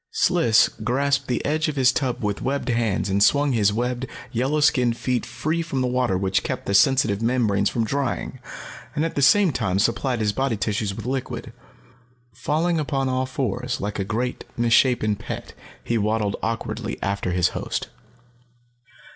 Sliss grasped the edge of his tub with webbed hands and swung his webbed, yellow skinned feet free from the water which kept the sensitive membranes from drying, and at the same time supplied his body tissues with liquid. Falling upon all fours, like a great, misshapen pet, he waddled awkwardly after his host.